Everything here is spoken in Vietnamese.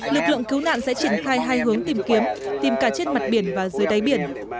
lực lượng cứu nạn sẽ triển khai hai hướng tìm kiếm tìm cả trên mặt biển và dưới đáy biển